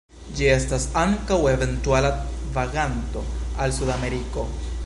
Ĝi estas ankaŭ eventuala vaganto al Sudameriko.